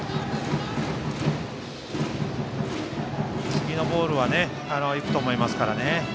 次のボールはいくと思います。